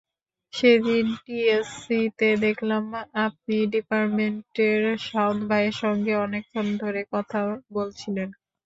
সেদিন টিএসসিতে দেখলাম আপনি ডিপার্টমেন্টের শাওন ভাইয়ের সঙ্গে অনেকক্ষণ ধরে কথা বলছিলেন।